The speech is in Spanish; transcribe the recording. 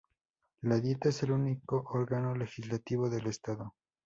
La Dieta es el "único órgano legislativo del Estado".